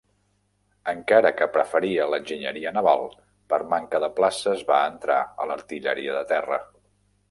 Encara que preferia l'enginyeria naval, per manca de places va entrar a l'artilleria de terra.